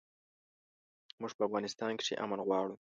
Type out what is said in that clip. موږ په افغانستان کښې امن غواړو